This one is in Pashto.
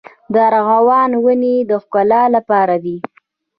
د ارغوان ونې د ښکلا لپاره دي؟